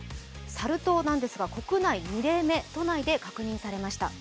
サル痘ですが国内２例目、都内で確認されました。